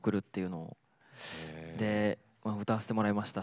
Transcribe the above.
で歌わせてもらいました。